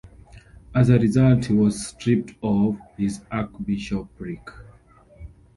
As a result, he was stripped of his archbishopric.